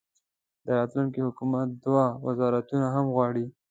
د راتلونکي حکومت دوه وزارتونه هم غواړي.